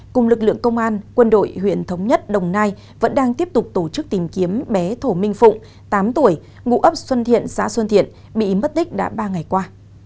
cùng lực lượng công an quân đội huyện thống nhất đồng nai vẫn đang tiếp tục tổ chức tìm kiếm bé thổ minh phụng tám tuổi ngụ ấp xuân thiện xã xuân thiện bị mất tích đã ba ngày qua